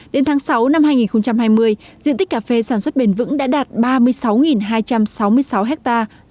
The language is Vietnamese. đến tháng sáu năm hai nghìn hai mươi diện tích cà phê sản xuất bền vững đã đạt ba mươi sáu hai trăm sáu mươi sáu hectare